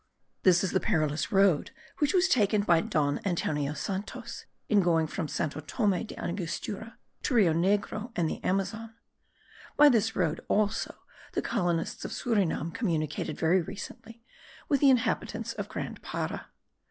This is the perilous road which was taken by Don Antonio Santos in going from Santo Thome del Angostura to Rio Negro and the Amazon; by this road also the colonists of Surinam communicated very recently with the inhabitants of Grand Para.